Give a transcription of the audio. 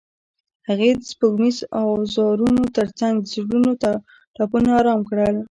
هغې د سپوږمیز اوازونو ترڅنګ د زړونو ټپونه آرام کړل.